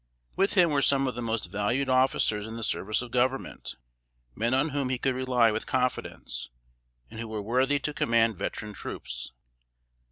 With him were some of the most valued officers in the service of Government; men on whom he could rely with confidence, and who were worthy to command veteran troops.